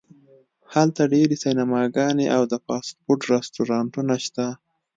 هلته ډیر سینماګانې او د فاسټ فوډ رستورانتونه شته